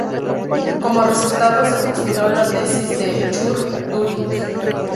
Como resultado se postuló la Tesis de Church-Turing.